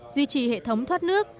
duy trì hệ thống thoát nước